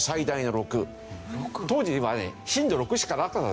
当時はね震度６しかなかった。